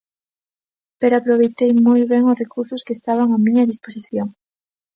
Pero aproveitei moi ben os recursos que estaban á miña disposición.